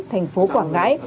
thành phố quảng ngãi